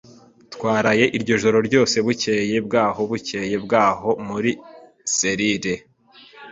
Twaraye iryo joro ryose, bukeye bwaho, bukeye bwaho muri selire.